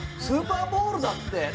スーパーボウルだって！